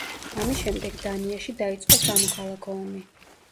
ამის შემდეგ, დანიაში დაიწყო სამოქალაქო ომი.